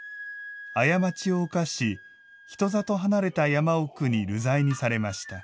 過ちを犯し、人里離れた山奥に流罪にされました。